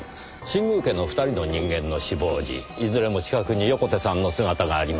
新宮家の２人の人間の死亡時いずれも近くに横手さんの姿があります。